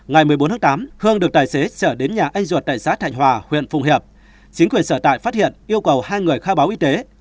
ngày một mươi bốn tháng tám hương được tài xế chở đến nhà anh duột tại xã thạnh hòa huyện phùng hiệp chính quyền sở tại phát hiện yêu cầu hai người khai báo y tế